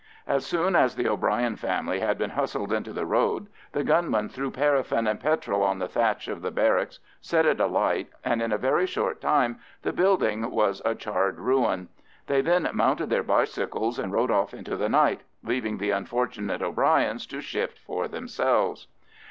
As soon as the O'Bryan family had been hustled into the road, the gunmen threw paraffin and petrol on the thatch of the barracks, set it alight, and in a very short time the building was a charred ruin. They then mounted their bicycles and rode off into the night, leaving the unfortunate O'Bryans to shift for themselves.